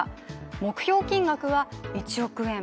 目標金額は１億円